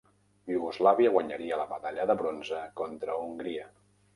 Iugoslàvia guanyaria la medalla de bronze contra Hongria.